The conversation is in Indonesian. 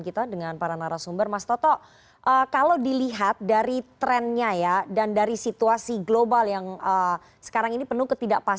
kan sampai akhirnya kita bisa mencapai